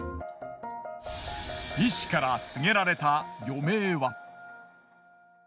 医師から告げられた余命は。